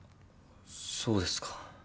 そうですか。